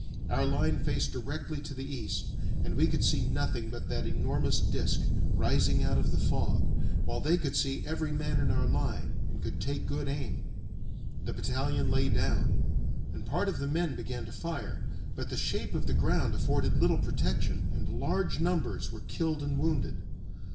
Our line faced directly to the east and we could see nothing but that enormous disk, rising out of the fog, while they could see every man in our line and could take good aim. The battalion lay down, and part of the men began to fire, but the shape of the ground afforded little protection and large numbers were killed and wounded.